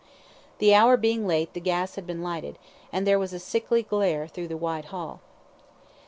The hour being late the gas had been lighted, and there was a sickly glare through the wide hall.